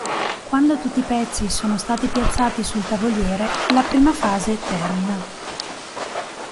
Quando tutti i pezzi sono stati piazzati sul tavoliere, la prima fase termina.